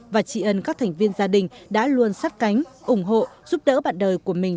và trị ân các thành viên gia đình đã luôn sát cánh ủng hộ giúp đỡ bạn đời của mình